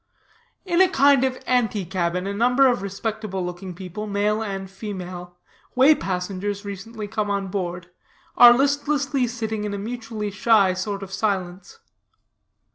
In a kind of ante cabin, a number of respectable looking people, male and female, way passengers, recently come on board, are listlessly sitting in a mutually shy sort of silence.